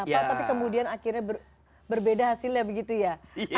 tapi kemudian akhirnya berbeda hasilnya begitu ya